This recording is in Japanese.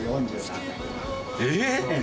えっ！